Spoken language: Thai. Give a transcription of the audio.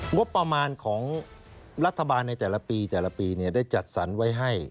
งบประมาณของรัฐบาลในแต่ละปีแต่ละปีได้จัดสรรไว้ให้